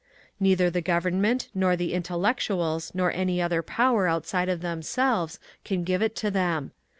Neither the government nor the intellectuals nor any other power outside of themselves can give it to them.